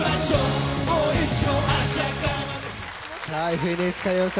「ＦＮＳ歌謡祭」